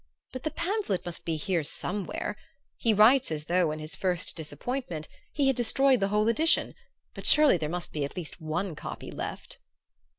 But the pamphlet must be here somewhere he writes as though, in his first disappointment, he had destroyed the whole edition; but surely there must be at least one copy left?"